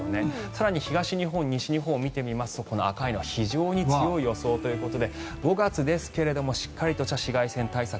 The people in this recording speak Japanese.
更に、東日本、西日本を見てみますとこの赤いのは非常に強い予想ということで５月ですがしっかりとした紫外線対策。